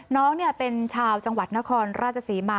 น้องเป็นชาวจังหวัดนครราชศรีมา